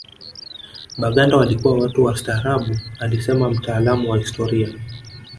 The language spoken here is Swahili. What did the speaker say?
Baganda walikuwa watu wastaarabu alisema mtaalamu wa historia